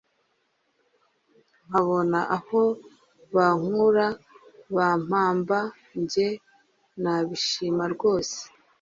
nkabona aho bankura bampamba njye nabishima rwose